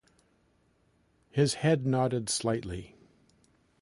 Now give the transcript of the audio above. His head nodded slightly.